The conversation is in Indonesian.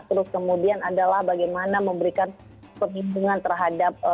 terus kemudian adalah bagaimana memberikan perlindungan terhadap